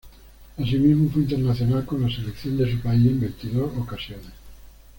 Asimismo, fue internacional con la selección de su país en veintidós ocasiones.